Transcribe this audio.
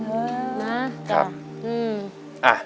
ครับ